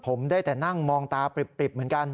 ผมได้แต่นั่งมองตาปริบเหมือนกัน